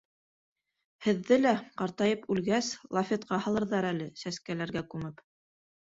-Һеҙҙе лә, ҡартайып үлгәс, лафетҡа һалырҙар әле, сәскәләргә күмеп...